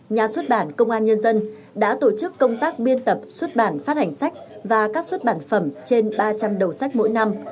nhà xuất bản công an nhân dân đã tổ chức công tác biên tập xuất bản phát hành sách và các xuất bản phẩm trên ba trăm linh đầu sách mỗi năm